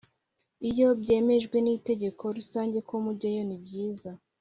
Iyo byemejwe n Inteko Rusange ko mujyayo nibyiza